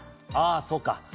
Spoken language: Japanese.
ああそうか。